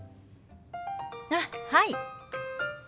あっはい。